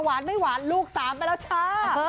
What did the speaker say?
หวานไม่หวานลูกสามไปแล้วจ้า